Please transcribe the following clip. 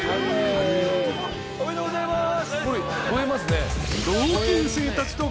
おめでとうございます！